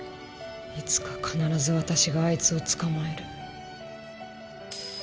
いつか必ず私があいつを捕まえる。